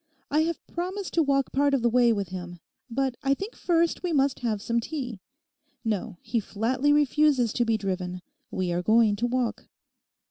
'I have promised to walk part of the way with him. But I think first we must have some tea. No; he flatly refuses to be driven. We are going to walk.